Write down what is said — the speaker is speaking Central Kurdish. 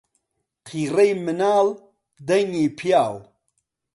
قیڕەی مناڵ دەنگی پیاو